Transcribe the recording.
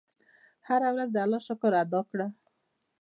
هره ورځ د الله شکر ادا کړه.